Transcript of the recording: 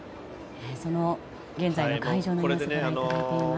現在の会場の様子をご覧いただいています。